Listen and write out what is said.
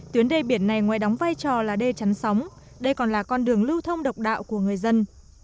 tuyến đê biển này ngoài đóng vai trò là đê chắn sóng đây còn là con đường lưu thông độc đạo của người dân